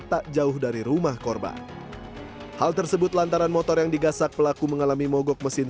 tak jauh dari rumah korban hal tersebut lantaran motor yang digasak pelaku mengalami mogok mesin